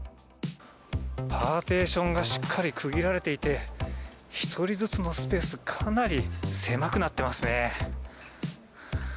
パーティションがしっかり区切られていて、１人ずつのスペース、かなり狭くなってますね。